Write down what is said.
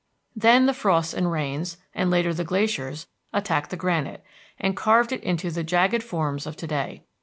Then the frosts and rains, and later the glaciers, attacked the granite, and carved it into the jagged forms of to day.